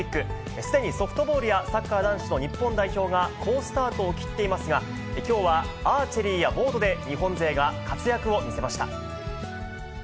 すでにソフトボールやサッカー男子の日本代表が、好スタートを切っていますが、きょうは、アーチェリーやボートで日本勢が活躍を見せました。